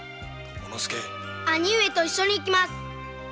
兄上と一緒に行きます。